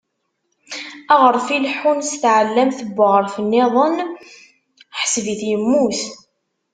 Aɣref ileḥḥun s tɛellamt n weɣref-iḍen, ḥseb-it yemmut.